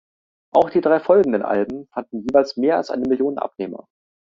Auch die drei folgenden Alben fanden jeweils mehr als eine Million Abnehmer.